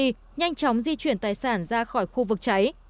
nhanh chóng di chuyển tài sản ra khỏi khu vực cháy